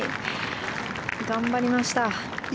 頑張りました。